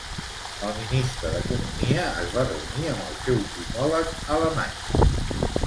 El ministre d'economia es va reunir amb el seu homòleg alemany.